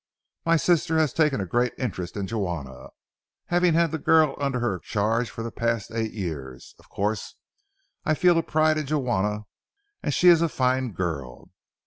My sister has taken a great interest in Juana, having had the girl under her charge for the past eight years. Of course, I feel a pride in Juana, and she is a fine girl.